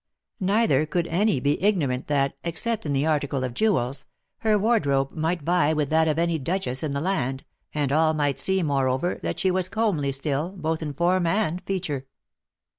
Neither could any be ignorant that, except in the article of jewels, her wardrobe might vie with that of any duchess in the land, and all might see, moreover, that she was comely still, both in form and feature.